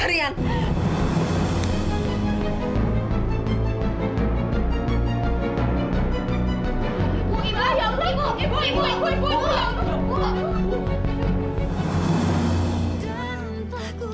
dari sekarang kamu lagi nyesal sama bu